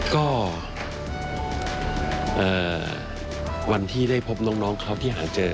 ก็วันที่ได้พบน้องเขาที่หาเจอ